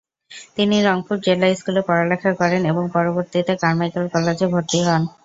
তিনি রংপুর জিলা স্কুলে পড়া লেখা করেন এবং পরবর্তিতে কারমাইকেল কলেজে ভর্তি হন।